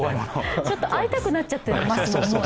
ちょっと会いたくなっちゃってますもん。